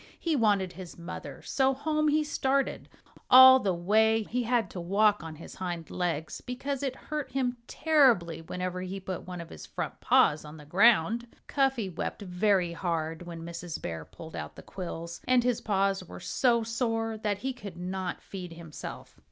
He wanted his mother. So home he started. All the way he had to walk on his hind legs, because it hurt him terribly whenever he put one of his front paws on the ground. Cuffy wept very hard when Mrs. Bear pulled out the quills. And his paws were so sore that he could not feed himself.